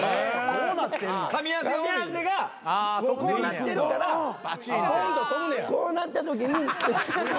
かみ合わせがこうなってるからこうなったときに。